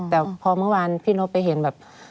แต่พอเมื่อวานพี่นบไปเห็นแบบ